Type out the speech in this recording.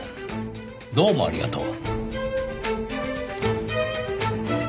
どうもありがとう。